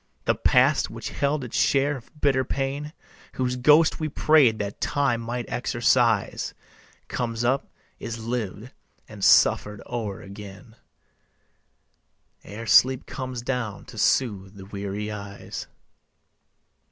The past which held its share of bitter pain, Whose ghost we prayed that Time might exorcise, Comes up, is lived and suffered o'er again, Ere sleep comes down to soothe the weary eyes.